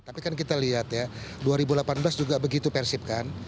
tapi kan kita lihat ya dua ribu delapan belas juga begitu persib kan